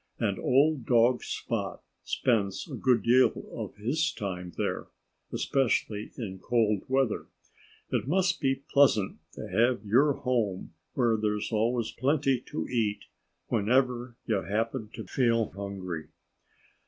And old dog Spot spends a good deal of his time there especially in cold weather. It must be pleasant to have your home where there's always plenty to eat, whenever you happen to feel hungry."